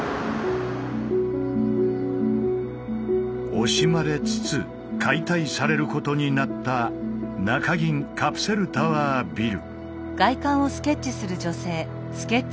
惜しまれつつ解体されることになった中銀カプセルタワービル。